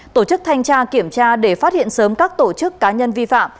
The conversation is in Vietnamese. tổ chức thanh tra kiểm tra để phát hiện sớm các tổ chức cá nhân vi phạm